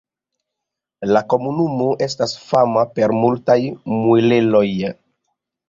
La komunumo estas fama per multaj muelejoj.